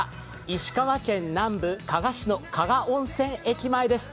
石川県南部、加賀市の加賀温泉駅前です。